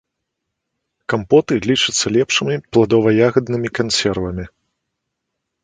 Кампоты лічацца лепшымі пладова-ягаднымі кансервамі.